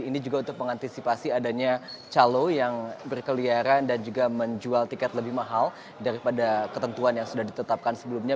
ini juga untuk mengantisipasi adanya calo yang berkeliaran dan juga menjual tiket lebih mahal daripada ketentuan yang sudah ditetapkan sebelumnya